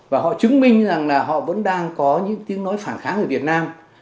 và họ chứng minh rằng là họ vẫn đang có những tiếng nói phản kháng ở việt nam